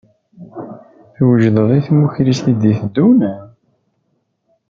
Twejdeḍ i tmukrist i d-iteddun?